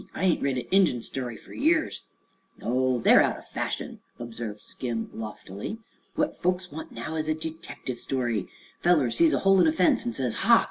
"I ain't read a Injun story fer years." "No; they're out o' fashion," observed Skim loftily. "What folks want now is a detective story. Feller sees a hole in a fence an' says, 'Ha!